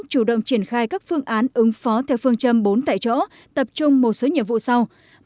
chủ động triển khai các phương án ứng phó theo phương châm bốn tại chỗ tập trung một số nhiệm vụ sau